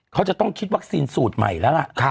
เขาจะต้องคิดวัคซีนสูตรใหม่แล้วล่ะ